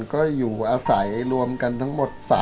ก็อยู่อาศัยรวมกันทั้งหมด